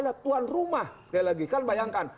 ada tuan rumah sekali lagi kan bayangkan